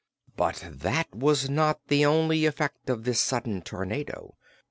But that was not the only effect of this sudden tornado.